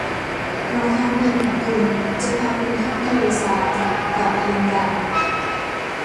รองเท้าเงินของคุณจะพาคุณข้ามทะเลทรายตอบกลินดา